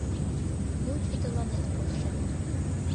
Лучо тыланет полшем.